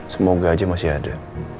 semoga aja masih ada